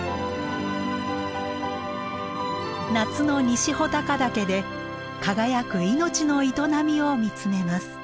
夏の西穂高岳で輝く命の営みを見つめます。